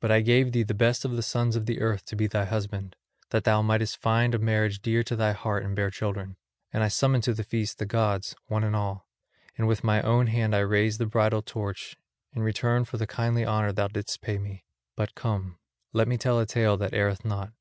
But I gave thee the best of the sons of earth to be thy husband, that thou mightest find a marriage dear to thy heart and bear children; and I summoned to the feast the gods, one and all. And with my own hand I raised the bridal torch, in return for the kindly honour thou didst pay me. But come, let me tell a tale that erreth not.